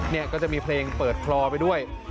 นี่ก็จะมีเพลงเปิดคลอไปด้วย